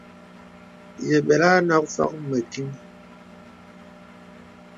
Yə bɛlə à nɔ̄k fɔŋ mə kìŋ.